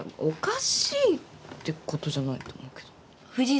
おかしいってことじゃないと思うけど。